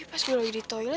masih ya masih ya